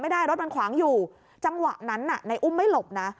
รถมันขวางอยู่จังหวะนั้นน่ะในอุ้มไม่หลบนะ